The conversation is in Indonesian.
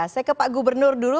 saya ke pak gubernur dulu